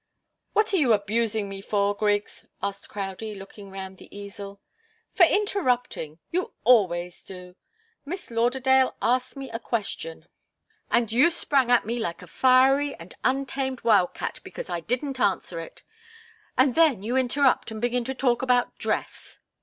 "What are you abusing me for, Griggs?" asked Crowdie, looking round his easel. "For interrupting. You always do. Miss Lauderdale asked me a question, and you sprang at me like a fiery and untamed wild cat because I didn't answer it and then you interrupt and begin to talk about dress."